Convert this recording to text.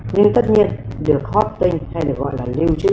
nhưng tất nhiên được hóp tin hay được gọi là lưu trữ